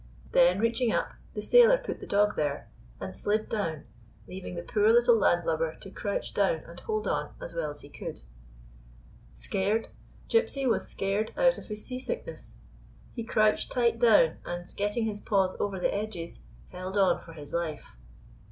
Then, reaching up, the sailor put the dog there and slid down, leaving the poor little landlubber to crouch down and hold on as well as he could. 140 GYPSY'S VOYAGE Scared ?* Gypsy was scared out of his sea sickness. He crouched tight down, and, getting his paws over the edges, held on for his life.